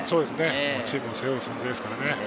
もうチームを背負う存在ですからね。